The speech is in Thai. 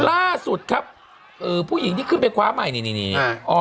ล่าสุดครับผู้หญิงที่ขึ้นไปคว้าใหม่นี่นี่